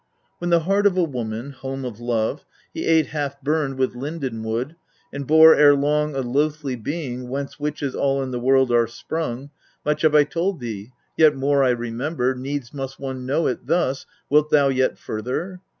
9. When the heart of a woman home of love he ate half burned with linden wood, and bore ere long a loathly being whence witches all in the world are sprung. 10. Much have I told thee, yet more I remember , needs must one know it thus, wilt thou yet further